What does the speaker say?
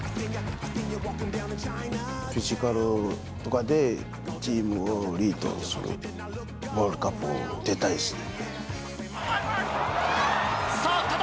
フィジカルとかでチームをリードする、ワールドカップ出たいっすね。